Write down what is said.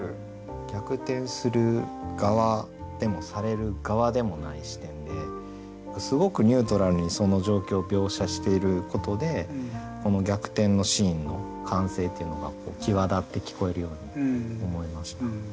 逆転する側でもされる側でもない視点ですごくニュートラルにその状況を描写していることでこの逆転のシーンの歓声っていうのが際立って聞こえるように思いました。